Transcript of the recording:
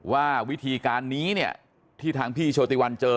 ว่าวิธีการนี้เนี่ยที่ทางพี่โชติวันเจอ